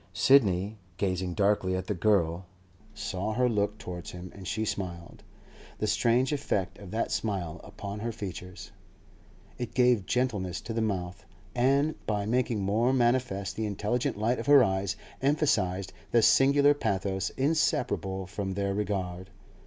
Sidney, gazing darkly at the girl, saw her look towards him, and she smiled. The strange effect of that smile upon her features! It gave gentleness to the mouth, and, by making more manifest the intelligent light of her eyes, emphasised the singular pathos inseparable from their regard.